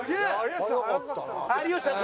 有吉さん